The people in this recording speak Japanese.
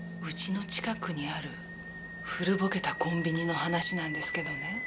うちの近くにある古ぼけたコンビニの話なんですけどね。